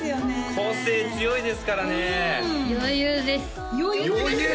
個性強いですからね余裕です余裕です！？